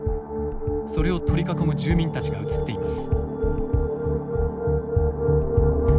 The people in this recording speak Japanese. それを取り囲む住民たちが写っています。